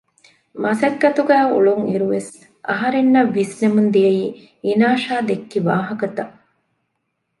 މަސައްކަތުގައި އުޅުންއިރުވެސް އަހަރެންނަށް ވިސްނެމުން ދިޔައީ އިނާޝާ ދެއްކި ވާހަކަތައް